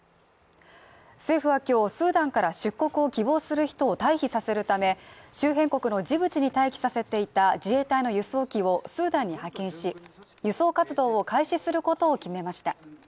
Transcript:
政府は今日スーダンから出国を希望する人を退避させるため、周辺国のジブチに待機させていた自衛隊の輸送機をスーダンに派遣し、輸送活動を開始することを決めました。